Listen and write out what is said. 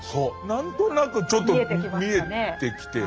何となくちょっと見えてきて。